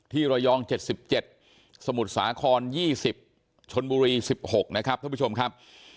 ระยอง๗๗สมุทรสาคร๒๐ชนบุรี๑๖นะครับท่านผู้ชมครับ